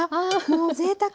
もうぜいたく。